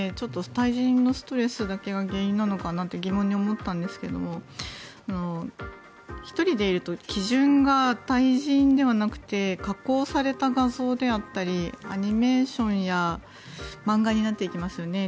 対人のストレスだけが原因なのかなって疑問に思ったんですが１人でいると基準が対人ではなくて加工された画像であったりアニメーションや漫画になっていきますよね。